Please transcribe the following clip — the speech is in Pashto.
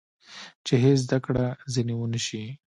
چې هېڅ زده کړه ځینې ونه شي.